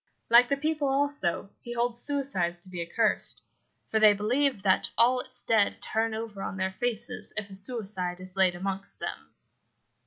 Like the people, also, he holds suicides as accursed; for they believe that all its dead turn over on their faces if a suicide is laid amongst them.